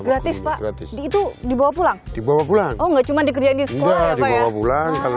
pak gratis itu dibawa pulang dibawa pulang oh enggak cuma dikerjain di sekolah pulang kalau